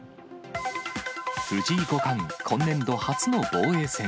藤井五冠、今年度初の防衛戦。